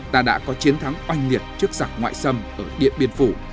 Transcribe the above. ta đã có chiến thắng oanh liệt trước giặc ngoại xâm ở điện biên phủ